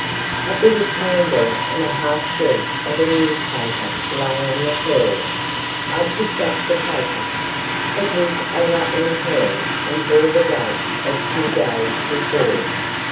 A bit of candle and a half sheet of a newspaper lay on the floor. I picked up the paper. It was a Rutland Herald and bore the date of two days before.